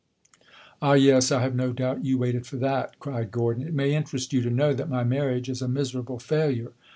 "Ah, yes, I have no doubt you waited for that!" cried Gordon. "It may interest you to know that my marriage is a miserable failure."